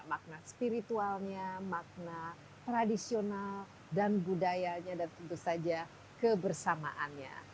makna spiritualnya makna tradisional dan budayanya dan tentu saja kebersamaannya